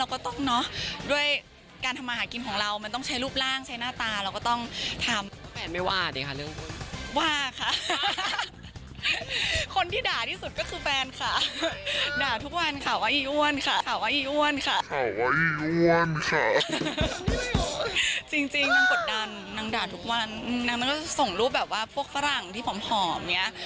กดดันนางด่าทุกวันนางก็ส่งรูปแบบว่าพวกฝรั่งที่ผ่อมเนี่ย